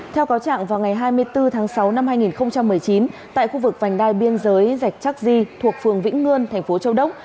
theo cáo trạng vào ngày hai mươi bốn tháng sáu năm hai nghìn một mươi chín tại khu vực vành đai biên giới dạch di thuộc phường vĩnh ngươn thành phố châu đốc